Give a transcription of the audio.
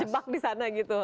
terjebak di sana gitu